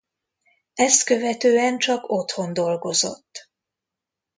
Ezt követően csak otthon dolgozott.